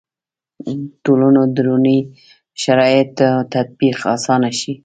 ټولنو دروني شرایطو تطبیق اسانه شي.